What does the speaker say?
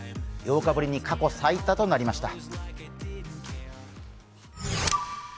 ８日ぶりに過去最多となりました。